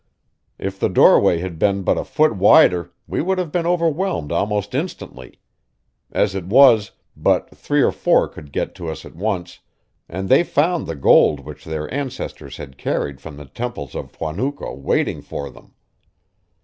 If the doorway had been but a foot wider we would have been overwhelmed almost instantly. As it was, but three or four could get to us at once, and they found the gold which their ancestors had carried from the temples of Huanuco waiting for them.